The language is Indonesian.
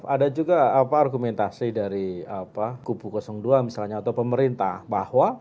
ada juga argumentasi dari kubu dua misalnya atau pemerintah bahwa